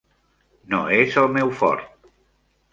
No és el meu fort.